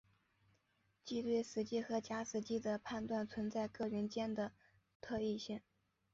即对死机和假死机的判断存在各人间的特异性。